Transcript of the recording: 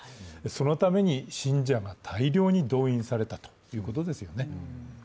そのために信者が大量に動員されたということですよね。